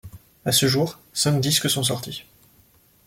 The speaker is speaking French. À ce jour, cinq disques sont sortis.